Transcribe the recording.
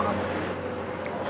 aku gak bisa berbicara sama dia